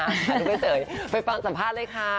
อันนี้ใบเตยไปฟังสัมภาษณ์เลยค่ะ